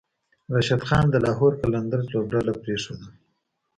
راشد خان د لاهور قلندرز لوبډله پریښودله